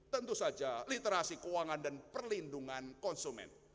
tentu saja literasi keuangan dan perlindungan konsumen